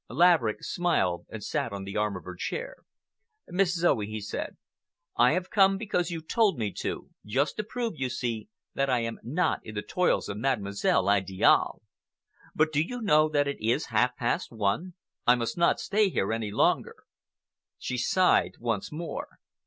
Laverick smiled and sat on the arm of her chair. "Miss Zoe," he said, "I have come because you told me to, just to prove, you see, that I am not in the toils of Mademoiselle Idiale. But do you know that it is half past one? I must not stay here any longer." She sighed once more.